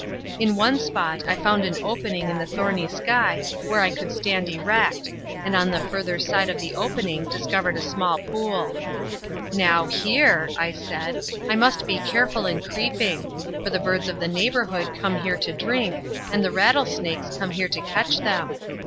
In one spot I found an opening in the thorny sky where I could stand erect, and on the further side of the opening discovered a small pool. "Now, here," I said, "I must be careful in creeping, for the birds of the neighborhood come here to drink, and the rattlesnakes come here to catch them."